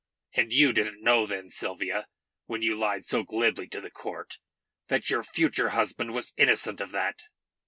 And you didn't know then, Sylvia, when you lied so glibly to the court, that your future husband was innocent of that?"